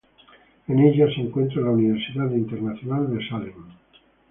En ella se encuentra la Universidad Internacional de Salem.